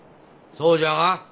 そうじゃが。